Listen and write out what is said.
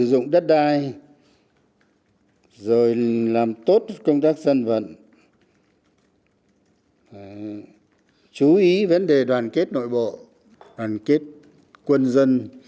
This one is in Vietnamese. sử dụng đất đai rồi làm tốt công tác dân vận chú ý vấn đề đoàn kết nội bộ đoàn kết quân dân